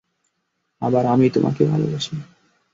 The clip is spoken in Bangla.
আবার আমিই তোমাকে ভালোবাসি!